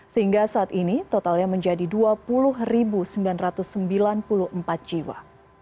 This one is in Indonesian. sehingga saat ini totalnya menjadi dua puluh sembilan ratus sembilan puluh empat jiwa